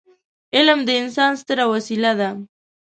علم د انسان ستره وسيله ده.